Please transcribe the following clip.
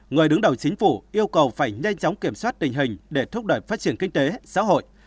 người đứng đầu chính phủ yêu cầu phải nhanh chóng kiểm soát tình hình để thúc đẩy phát triển kinh tế xã hội